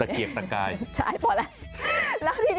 แต่เกียรติกายใช่พอแล้ว